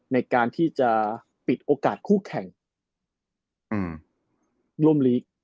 ในการที่จะปิดโอกาสคู่แข่งร่วมลีก